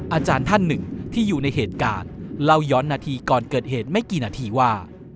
อาจารย์ท่านหนึ่งที่อยู่ในเหตุการณ์เล่าย้อนนาทีก่อนเกิดเหตุไม่กี่นาทีว่า